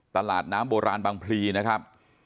ตลาดน้ำโบราณบางพลีนะครับ